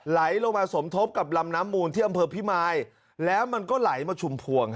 ไหลลงมาสมทบกับลำน้ำมูลที่อำเภอพิมายแล้วมันก็ไหลมาชุมพวง